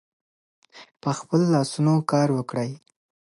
په خپلو لاسونو کار وکړئ.